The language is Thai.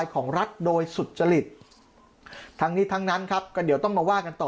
ของรัฐโดยสุจริตทั้งนี้ทั้งนั้นครับก็เดี๋ยวต้องมาว่ากันต่อ